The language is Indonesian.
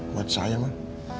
buat saya mah